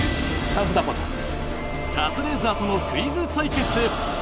カズレーザーとのクイズ対決！